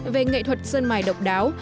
về nghệ thuật sơn mài độc đáo